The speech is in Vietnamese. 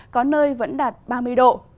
có nơi vẫn đạt ba mươi độ